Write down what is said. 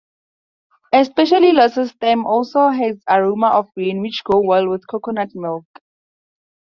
Especially lotus stem also has aroma of rain which go well with coconut milk.